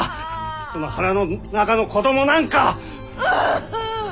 その腹の中の子どもなんか。